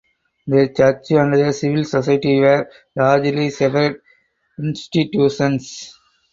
The church and the civil society were largely separate institutions.